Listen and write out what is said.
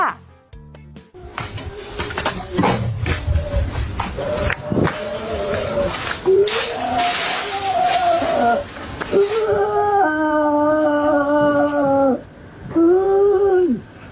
โอ้โหยย